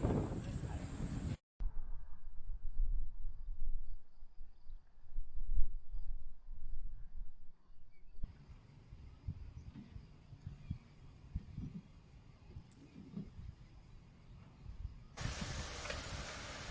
สวัสดีครับ